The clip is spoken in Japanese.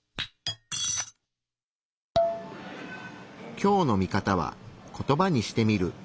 今日のミカタは「コトバにしてみる」。